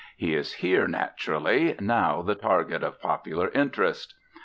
He is here, naturally, now the target of popular interest.